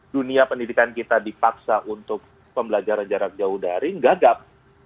dunia pendidikan kita dipaksa untuk pembelajaran jarak jauh daring gagap